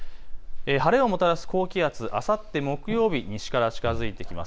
晴れをもたらす高気圧、あさって木曜日、西から近づいてきます。